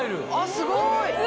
すごい！